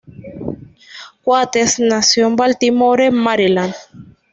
Coates Nació en Baltimore, Maryland.